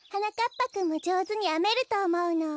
ぱくんもじょうずにあめるとおもうの。